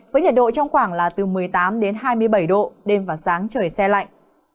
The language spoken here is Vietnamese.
với nhiệt độ trong khoảng là từ một mươi tám đến hai mươi bảy độ đêm và sáng trời xe lạnh